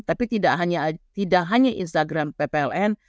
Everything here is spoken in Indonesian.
tapi tidak hanya instagram ppln